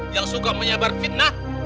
yang suka menyabar fitnah